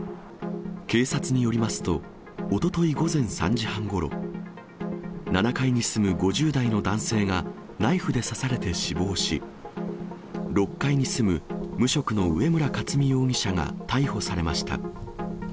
警察によりますと、おととい午前３時半ごろ、７階に住む５０代の男性がナイフで刺されて死亡し、６階に住む無職の上村勝美容疑者が逮捕されました。